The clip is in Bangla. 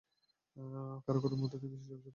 কারো কারো মতে তিনি বিশ্বের সবচেয়ে প্রভাবশালী মহিলা।